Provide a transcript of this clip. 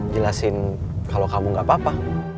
jelasin kalau kamu gak apa apa